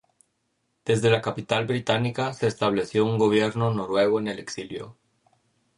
Desde la capital británica, se estableció un gobierno noruego en el exilio.